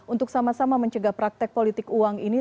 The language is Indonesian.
untuk sama sama mencegah praktek politik uang ini